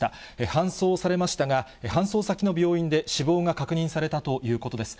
搬送されましたが、搬送先の病院で死亡が確認されたということです。